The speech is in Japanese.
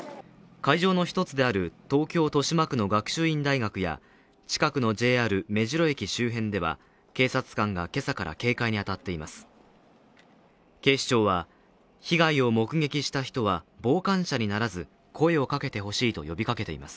会場の一つである東京・豊島区の学習院大学や近くのＪＲ目白駅周辺では、警察官が今朝から警戒に当たっています。